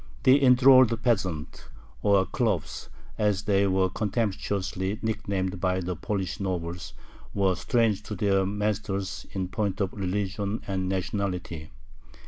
The enthralled peasants, or khlops, as they were contemptuously nicknamed by the Polish nobles, were strange to their masters in point of religion and nationality.